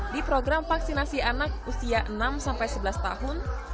di program vaksinasi anak usia enam sebelas tahun